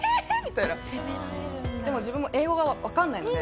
でも自分も英語がわからないので。